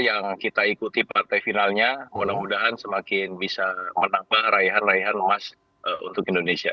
yang kita ikuti partai finalnya mudah mudahan semakin bisa menambah raihan raihan emas untuk indonesia